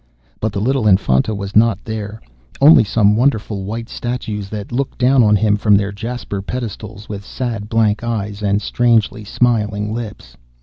But the little Infanta was not there, only some wonderful white statues that looked down on him from their jasper pedestals, with sad blank eyes and strangely smiling lips.